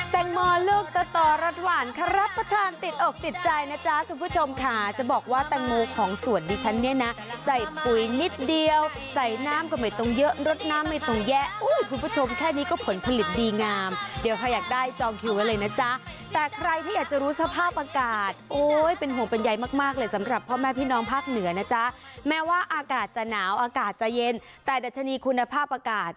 ตังโมตังโมตังโมตังโมตังโมตังโมตังโมตังโมตังโมตังโมตังโมตังโมตังโมตังโมตังโมตังโมตังโมตังโมตังโมตังโมตังโมตังโมตังโมตังโมตังโมตังโมตังโมตังโมตังโมตังโมตังโมตังโมตังโมตังโมตังโมตังโมตังโมต